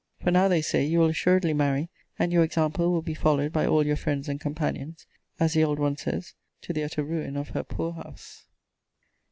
For now, they say, you will assuredly marry; and your example will be followed by all your friends and companions as the old one says, to the utter ruin of her poor house.